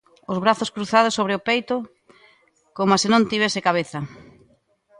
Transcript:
Os brazos cruzados sobre o peito, coma se non tivese cabeza.